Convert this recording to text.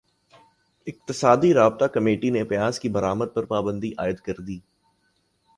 اقتصادی رابطہ کمیٹی نے پیاز کی برمد پر پابندی عائد کردی